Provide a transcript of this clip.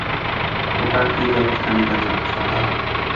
ওটার কী ব্যবস্থা নিতে চাচ্ছ?